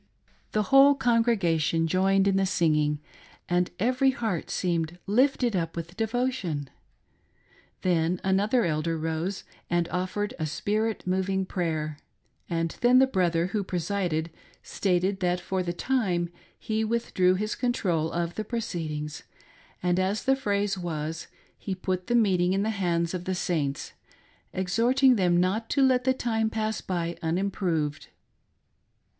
The whole congregation .joined in the singing, and every heart seemed lifted up with devotion. Then another elder rose and offered a spirit moving prayer ; and then the brother who presided stated that for the time he withdrew his control of the proceedings, and, as the phrase was, he " put the meet ing in the hands of the Saints," exhorting them not to let the time pass by unimproved.